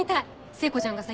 聖子ちゃんがさ